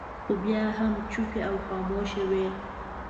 خو بیا هم چوپې او خاموشه وي.